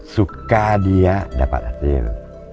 suka dia dapat hasil